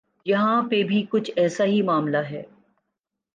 یہاں پہ بھی کچھ ایسا ہی معاملہ ہے۔